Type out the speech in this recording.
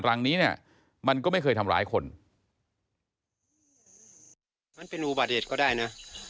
รังนี้เนี่ยมันก็ไม่เคยทำร้ายคน